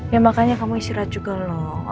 ya makanya kamu istirahat juga loh